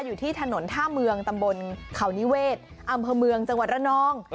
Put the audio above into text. อยู่ที่ถนนท่าเมืองตำบลเขานิเวศอำเภอเมืองจังหวัดระนอง